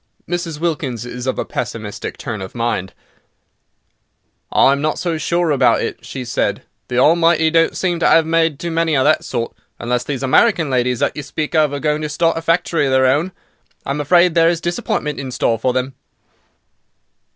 Mrs. Wilkins is of a pessimistic turn of mind. "I am not so sure about it," she said; "the Almighty don't seem to 'ave made too many of that sort. Unless these American ladies that you speak of are going to start a factory of their own. I am afraid there is disappointment in store for them."